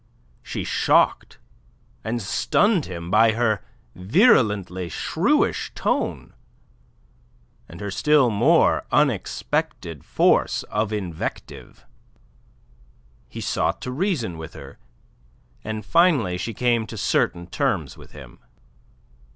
She shocked and stunned him by her virulently shrewish tone, and her still more unexpected force of invective. He sought to reason with her, and finally she came to certain terms with him.